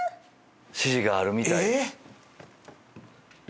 ⁉指示があるみたいです。